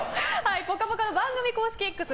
「ぽかぽか」の番組公式Ｘ